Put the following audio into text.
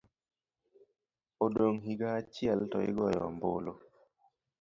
Odong' higa achiel to igoyo ombulu.